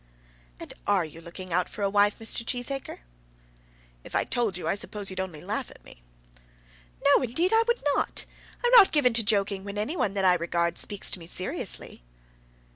"And are you looking out for a wife, Mr. Cheesacre?" "If I told you I suppose you'd only laugh at me." "No; indeed I would not. I am not given to joking when any one that I regard speaks to me seriously."